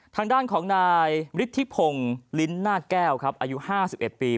ทางด้านของนายมฤษฤโผงลิ้นนานแก้วอาจรูป๕๑ปี